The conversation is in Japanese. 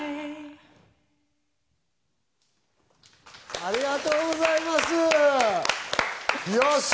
ありがとうございます。